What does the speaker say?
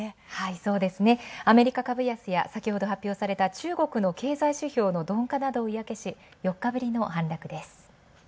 そうですね、アメリカ株安や先ほど発表された中国の鈍化などを嫌気し、４日ぶりの反落です。